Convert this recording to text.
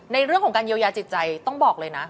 ในเรื่องของการเยียวยาจิตใจต้องบอกเลยนะ